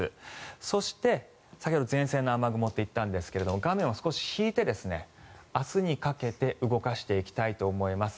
そして、先ほど前線の雨雲といったんですが画面を少し引いて、明日にかけて動かしていきたいと思います。